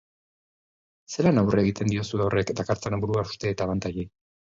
Zelan aurre egiten diozue horrek dakartzan buruhauste eta abantailei?